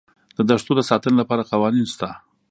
د دښتو د ساتنې لپاره قوانین شته.